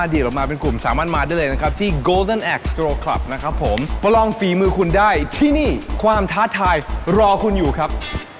เดี๋ยวจะให้คุณรายันนะครับผมโยนให้ผมดูหน่อยนะครับ